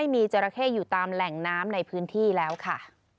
มีจราเข้อยู่ตามแหล่งน้ำในพื้นที่แล้วค่ะ